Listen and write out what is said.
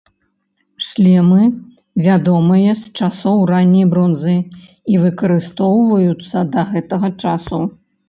Шлемы вядомыя з часоў ранняй бронзы і выкарыстоўваюцца да гэтага часу.